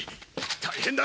大変だ！